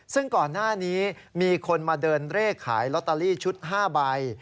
ซึ่งก่อนหน้านี้มีคนมาเดินเลขขายลอตเตอรี่ชุด๕ใบ